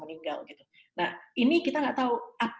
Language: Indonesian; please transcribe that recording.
meninggal gitu nah ini kita nggak tahu